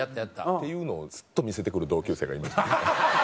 っていうのをずっと見せてくる同級生がいまして。